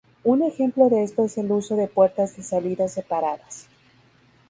Un ejemplo de esto es el uso de puertas de salida separadas.